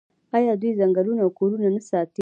آیا دوی ځنګلونه او کورونه نه ساتي؟